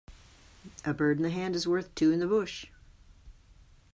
A bird in the hand is worth two in the bush.